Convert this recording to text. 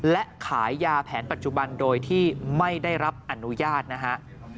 และขายยาแผนปัจจุบันโดยที่ไม่ได้รับอนุญาตนะฮะ